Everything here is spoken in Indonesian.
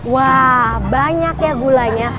wah banyak ya gulanya